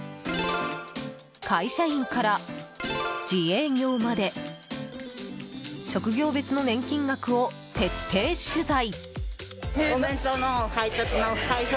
会社員から自営業まで職業別の年金額を徹底取材！